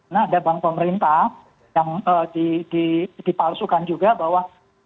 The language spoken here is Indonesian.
nah ada bank pemerintah yang dipalsukan juga bahwa